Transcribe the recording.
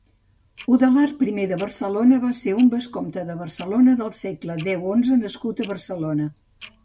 Udalard primer de Barcelona va ser un vescomte de Barcelona del segle deu-onze nascut a Barcelona.